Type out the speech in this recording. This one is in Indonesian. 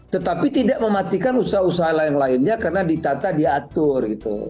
tetapi tidak mematikan usaha usaha yang lainnya karena ditata diatur gitu